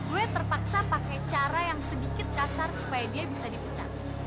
gue terpaksa pakai cara yang sedikit kasar supaya dia bisa dipecat